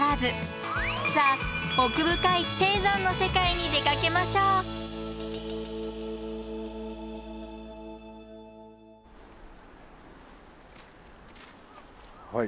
さあ奥深い低山の世界に出かけましょうはい。